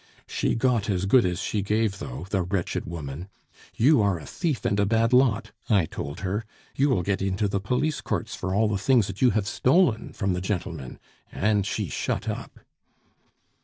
She got as good as she gave, though, the wretched woman. 'You are a thief and a bad lot,' I told her; 'you will get into the police courts for all the things that you have stolen from the gentlemen,' and she shut up."